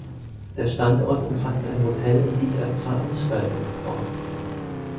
Der Standort umfasst ein Hotel und dient als Veranstaltungsort.